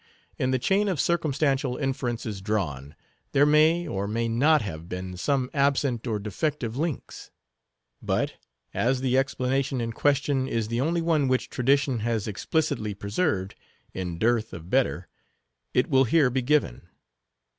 In the chain of circumstantial inferences drawn, there may, or may not, have been some absent or defective links. But, as the explanation in question is the only one which tradition has explicitly preserved, in dearth of better, it will here be given.